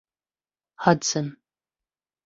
Hudson.